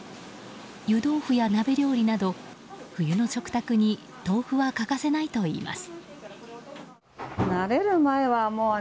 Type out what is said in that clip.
湯豆腐や鍋料理など、冬の食卓に豆腐は欠かせないといいます。